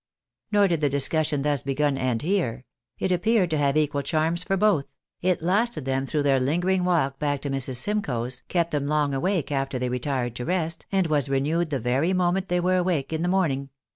Nor did the discussion thus begun, end here ; it appeared to have equal charms for both ; it lasted them through their linger ing walk back to Mrs. Simcoe's, kept them long awake after they retired to rest, and was renewed the very moment they were awake in the morning.